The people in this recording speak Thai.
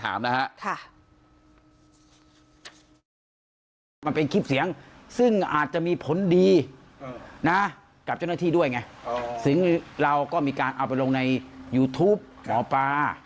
อันนี้หมอปลาถามนะฮะ